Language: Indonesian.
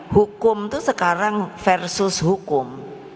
hukum itu sekarang versus hukum